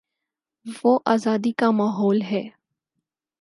وہ آزادی کا ماحول ہے۔